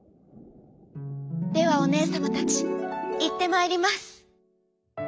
「ではおねえさまたちいってまいります」。